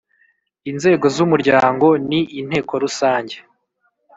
Inzego z Umuryango ni Inteko Rusange .